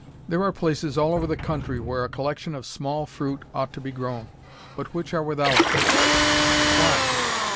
There are places all over the country where a collection of small fruit ought to be grown, but which are without it. Why?